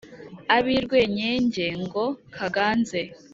ab’i rwinyege ngo kaganze.